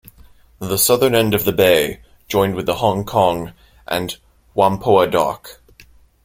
The southern end of the bay joined with the Hong Kong and Whampoa Dock.